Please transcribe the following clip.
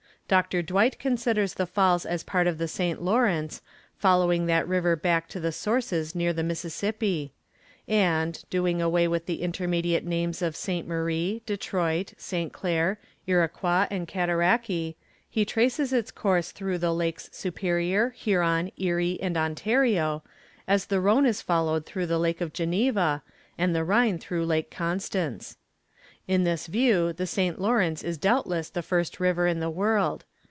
Dr. Dwight considers the Falls as part of the St. Lawrence, following that river back to the sources near the Mississippi; and, doing away with the intermediate names of St. Marie, Detroit, St. Clair, Iroquois, and Cataraqui, he traces its course through the lakes Superior, Huron, Erie, and Ontario, as the Rhone is followed through the Lake of Geneva, and the Rhine through Lake Constance. In this view the St. Lawrence is doubtless the first river in the world.